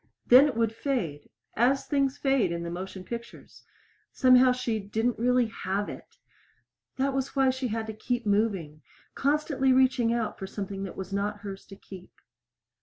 Then it would fade, as things fade in the motion pictures. Somehow she didn't really have it. That was why she had to keep coming constantly reaching out for something that was not hers to keep.